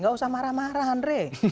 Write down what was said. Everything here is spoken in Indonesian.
gak usah marah marah andre